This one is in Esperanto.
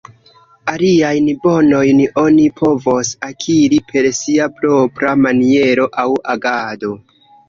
Aliajn bonojn oni povos akiri per sia propra maniero aŭ agado.